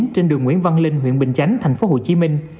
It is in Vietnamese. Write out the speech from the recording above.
trên đường nguyễn văn linh huyện bình chánh tp hcm